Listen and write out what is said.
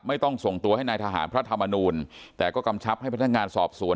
ไม่ต้องส่งตัวให้นายทหารพระธรรมนูลแต่ก็กำชับให้พนักงานสอบสวน